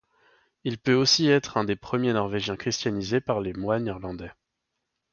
Il peut aussi être un des premiers norvégiens christianisés par les moines irlandais.